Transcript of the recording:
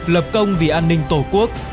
lập công vì an ninh tổ quốc